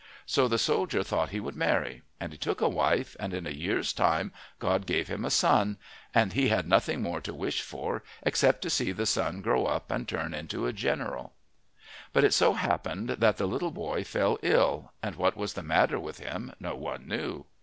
So the soldier thought he would marry. And he took a wife, and in a year's time God gave him a son, and he had nothing more to wish for except to see the son grow up and turn into a general. But it so happened that the little boy fell ill, and what was the matter with him no one knew.